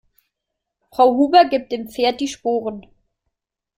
Frau Huber gibt dem Pferd die Sporen.